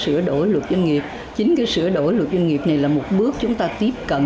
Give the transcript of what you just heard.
sửa đổi luật doanh nghiệp chính cái sửa đổi luật doanh nghiệp này là một bước chúng ta tiếp cận